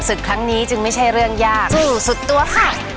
ครั้งนี้จึงไม่ใช่เรื่องยากสู้สุดตัวค่ะ